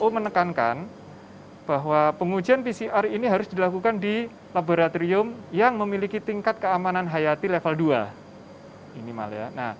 kpu menekankan bahwa pengujian pcr ini harus dilakukan di laboratorium yang memiliki tingkat keamanan hayati level dua